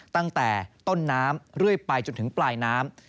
ตั้งแต่ต้นน้ำเรื่อยไปจนถึงปลายน้ำ